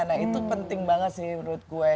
nah itu penting banget sih menurut gue